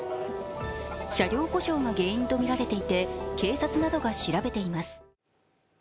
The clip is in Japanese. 車両故障が原因とみられていて警察などが調べています。